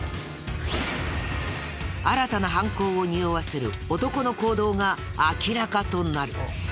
新たな犯行をにおわせる男の行動が明らかとなる！